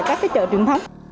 các cái chợ truyền thống